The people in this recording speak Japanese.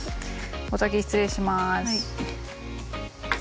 お先失礼します。